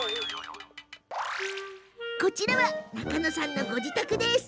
こちらは中野さんのご自宅。